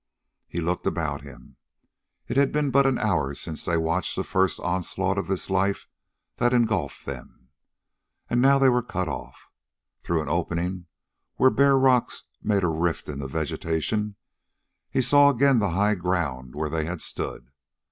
He looked about him. It had been but an hour since they watched the first onslaught of this life that engulfed them. And now they were cut off. Through an opening, where bare rocks made a rift in the vegetation, he saw again the high ground where they had stood.